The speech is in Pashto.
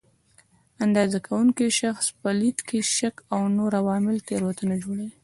د اندازه کوونکي شخص په لید کې شک او نور عوامل تېروتنه جوړوي.